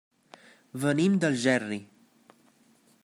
Venim d'Algerri.